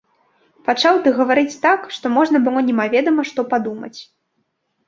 Пачаў ты гаварыць так, што можна было немаведама што падумаць.